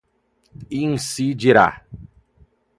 incidirá